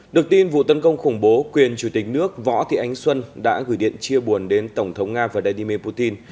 được tin vụ tấn công khủng bố quyền chủ tịch nước võ thị ánh xuân đã gửi điện chia buồn đến tổng thống nga và đài đi mê putin